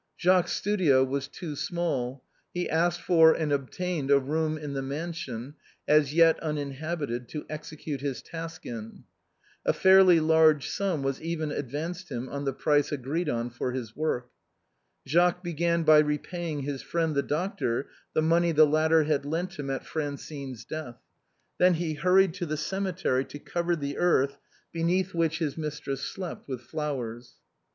Jacques's studio was too small, he asked for and obtained a room in the mansion, as yet uninhabitated, to execute his task in. A fairly large sum Veas even advanced him on the price agreed on for his work. Jacques began by repaying his friend the doctor the money the latter had lent him at Francine's death, then he hur ried to the cemetery to cover the earth beneath which his mistress slept, with flowers.